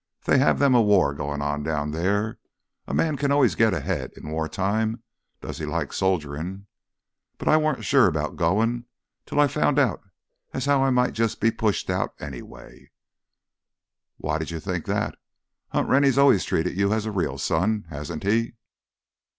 They have them a war goin' on down there; a man can always git ahead in wartime does he like soldierin'. But I weren't sure 'bout goin', till I found out as how I might jus' be pushed out, anyway." "Why did you think that? Hunt Rennie's always treated you as a real son, hasn't he?"